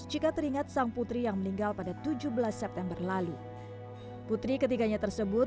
jika teringat sang putri yang meninggal pada tujuh belas september lalu putri ketiganya tersebut